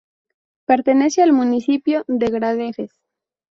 Pertenece al municipio de Gradefes.